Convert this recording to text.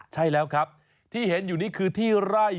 ใช่แล้วครับที่เห็นคือที่ไหล่